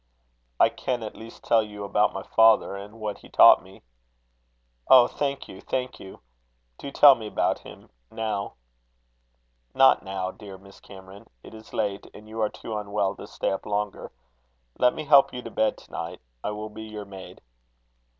"I can at least tell you about my father, and what he taught me." "Oh! thank you, thank you! Do tell me about him now." "Not now, dear Miss Cameron. It is late, and you are too unwell to stay up longer. Let me help you to bed to night. I will be your maid."